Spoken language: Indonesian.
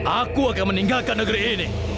aku akan meninggalkan negeri ini